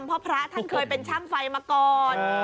เพราะพระท่านเคยเป็นช่างไฟมาก่อน